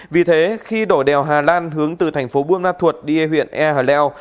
vì thế khi đổ đèo hà lan hướng từ thành phố buông nát thuột đi huyện e hà leo